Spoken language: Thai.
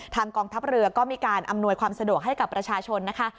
กองทัพเรือก็มีการอำนวยความสะดวกให้กับประชาชนนะคะ